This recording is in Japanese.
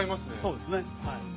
そうですね。